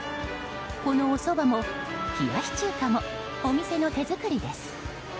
このおそばも、冷やし中華もお店の手作りです。